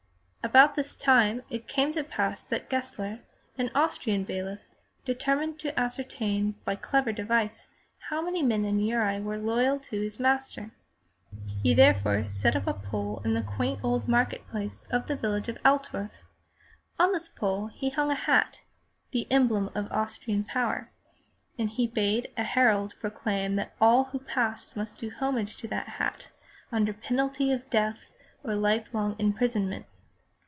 About this time it came to pass that Gessler, an Austrian bailiff, determined to ascertain by a clever device how many men in Uri were loyal to his master. He therefore set up a pole in the quaint old market place of the village of Altdorf. On this pole he hung a hat — the emblem of Austrian power — and he bade a herald proclaim that all who passed must do homage to that hat under penalty of death or life long imprisonment.